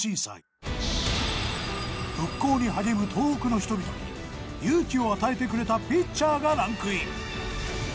復興に励む東北の人々に勇気を与えてくれたピッチャーがランクイン。